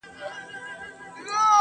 هڅه انسان لوړوي.